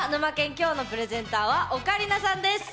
きょうのプレゼンターはオカリナさんです。